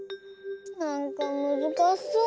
なんかむずかしそう。